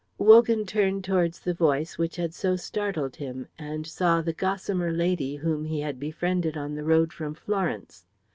Wogan turned towards the voice which had so startled him and saw the gossamer lady whom he had befriended on the road from Florence.